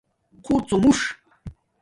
خُوڅومُݽ